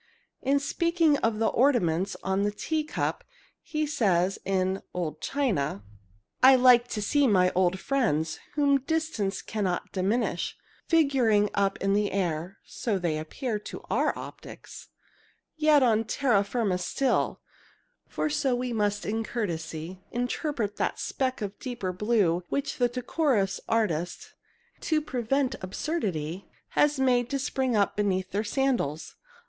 In speaking of the ornaments on the tea cup he says, in "Old China": "I like to see my old friends, whom distance cannot diminish, figuring up in the air (so they appear to our optics), yet on terra firma still, for so we must in courtesy interpret that speck of deeper blue which the decorous artist, to prevent absurdity, has made to spring up beneath their sandals.